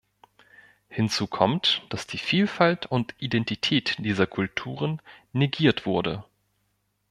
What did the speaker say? Hinzu kommt, dass die Vielfalt und Identität dieser Kulturen negiert wurde.